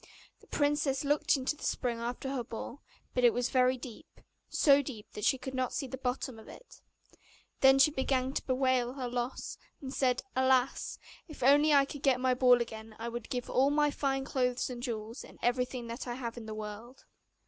The princess looked into the spring after her ball, but it was very deep, so deep that she could not see the bottom of it. Then she began to bewail her loss, and said, 'Alas! if I could only get my ball again, I would give all my fine clothes and jewels, and everything that I have in the world.